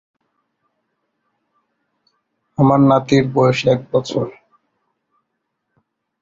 আমার নাতির বয়স এক বছর।